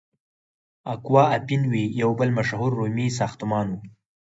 اکوا اپین وی یو بل مشهور رومي ساختمان و.